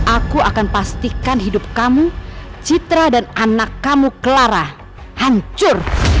aku akan pastikan hidup kamu citra dan anak kamu clara hancur